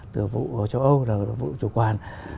từ vụ ở châu âu là vụ chủ quản